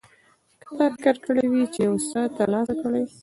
که تا فکر کړی وي چې یو څه ترلاسه کړې.